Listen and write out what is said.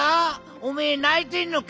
おめえないてんのけ？